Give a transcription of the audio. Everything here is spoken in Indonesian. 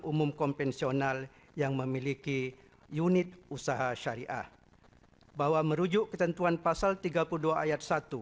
umum konvensional yang memiliki unit usaha syariah bahwa merujuk ketentuan pasal tiga puluh dua ayat satu